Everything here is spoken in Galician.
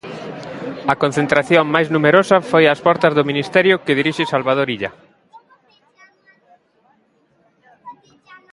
A concentración máis numerosa foi ás portas do Ministerio que dirixe Salvador Illa.